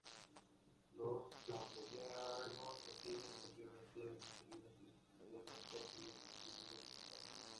Los camboyanos no tienen propiamente un desayuno, especialmente aquellos que viven en el campo.